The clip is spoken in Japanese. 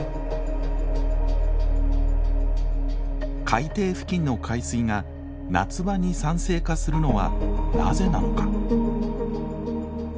海底付近の海水が夏場に酸性化するのはなぜなのか？